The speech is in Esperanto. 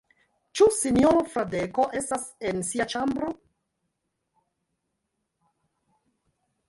Ĉu sinjoro Fradeko estas en sia ĉambro?